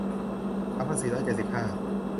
สามพันสี่ร้อยเจ็ดสิบห้า